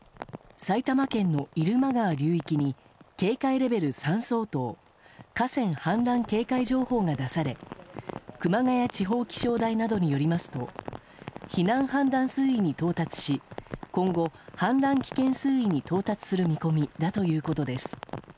埼玉県の入間川流域に警戒レベル３相当河川氾濫警戒情報が出され熊谷地方気象台などによりますと避難判断水位に到達し今後、氾濫危険水位に到達する見込みだということです。